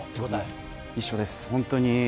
一緒です、本当に。